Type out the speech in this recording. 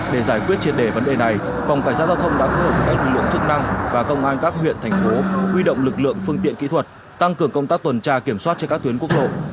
để giải quyết triệt đề vấn đề này phòng cảnh sát giao thông đã phối hợp với các lực lượng chức năng và công an các huyện thành phố huy động lực lượng phương tiện kỹ thuật tăng cường công tác tuần tra kiểm soát trên các tuyến quốc lộ